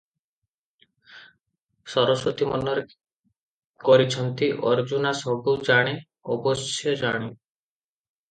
ସରସ୍ୱତୀ ମନରେ କରିଛନ୍ତି, ଅର୍ଜୁନା ସବୁ ଜାଣେ, ଅବଶ୍ୟ ଜାଣେ ।